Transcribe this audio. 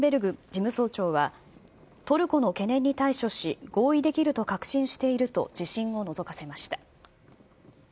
事務総長は、トルコの懸念に対処し、合意できると確信していると自信をのぞかせました。